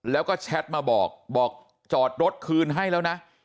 แล้วก็แชทมาบอกบอกจอดรถคืนให้แล้วนะ